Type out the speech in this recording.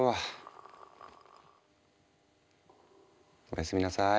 おやすみなさい。